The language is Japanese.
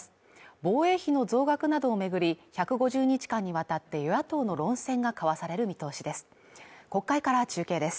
防衛費の増額などを巡り１５０日間にわたって与野党の論戦が交わされる見通しです